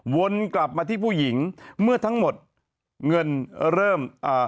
วนกลับมาที่ผู้หญิงเมื่อทั้งหมดเงินเริ่มอ่า